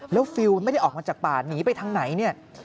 แล้วฟิลล์ไม่ได้ออกมาจากป่าหนีไปทางไหนเนี่ย